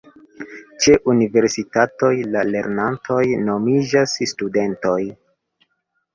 Ĉe universitatoj la lernantoj nomiĝas studentoj.